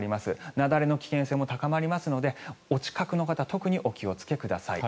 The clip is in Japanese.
雪崩の危険性も高まりますのでお近くの方特にお気をつけください。